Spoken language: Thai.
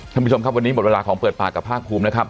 ท่านผู้ชมครับวันนี้หมดเวลาของเปิดปากกับภาคภูมินะครับ